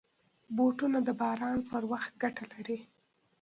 بوټونه د باران پر وخت ګټه لري.